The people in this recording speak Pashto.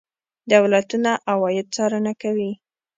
دولتونه عواید څارنه کوي.